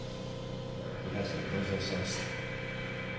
被害者に同情しちゃいました。